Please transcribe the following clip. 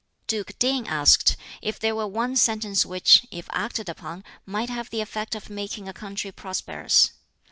Duke Ting asked if there were one sentence which, if acted upon, might have the effect of making a country prosperous.